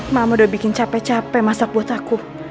mama udah bikin capek capek masak buat aku